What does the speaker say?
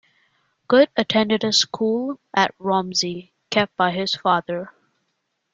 Good attended a school at Romsey kept by his father.